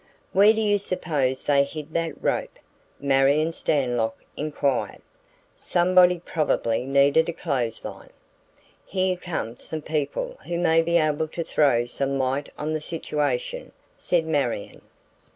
"Where do you suppose they hid that rope?" Marion Stanlock inquired. "Somebody probably needed a clothesline." "Here come some people who may be able to throw some light on the situation," said Marion.